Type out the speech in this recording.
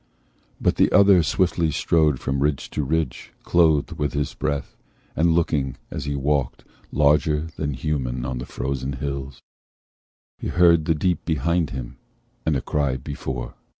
But the other swiftly strode from ridge to ridge, Clothed with his breath, and looking, as he walked, Larger than human on the frozen hills. He heard the deep behind him, and a cry Before.